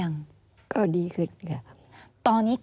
อันดับ๖๓๕จัดใช้วิจิตร